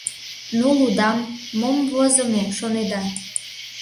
Ну, лудам, мом возымо, шонеда?